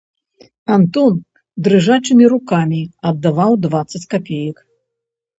Антон дрыжачымі рукамі аддаваў дваццаць капеек.